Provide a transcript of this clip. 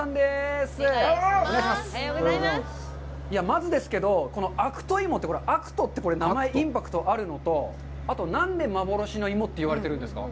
まずですけど、この悪戸いもって、悪戸って名前、インパクトあるのと、あと何で幻の芋って言われてるんですか？